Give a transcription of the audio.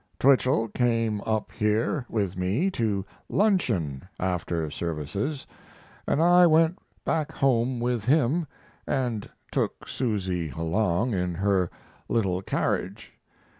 Twichell came up here with me to luncheon after services, and I went back home with him and took Susy along in her little carriage.